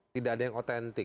tidak ada yang otentik